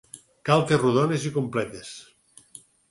Galtes rodones i completes.